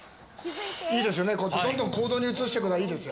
いいですよね、どんどん行動に移していくのはいいですよ。